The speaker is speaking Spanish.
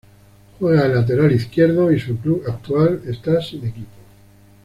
Juega de lateral izquierdo y su club actual esta sin equipo.